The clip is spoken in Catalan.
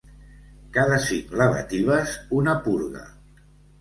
Cada cinc lavatives, una purga.